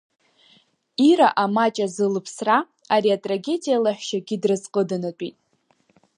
Ира амаҷ азы лыԥсра, ари атрагедиа лаҳәшьагьы дразҟыданатәит.